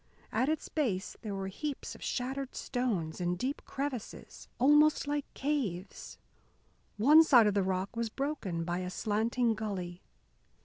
At its base there were heaps of shattered stones, and deep crevices almost like caves. One side of the rock was broken by a slanting gully.